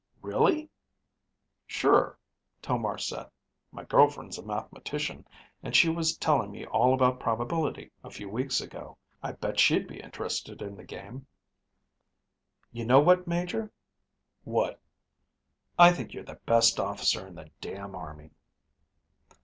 "Really?" "Sure," Tomar said. "My girl friend's a mathematician, and she was telling me all about probability a few weeks ago. I bet she'd be interested in the game." "You know what, Major?" "What?" "I think you're the best officer in the damn army."